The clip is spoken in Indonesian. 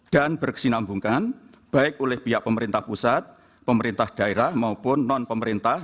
dan berkesinambungkan baik oleh pihak pemerintah pusat pemerintah daerah maupun non pemerintah